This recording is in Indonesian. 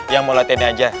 mau latihan ini aja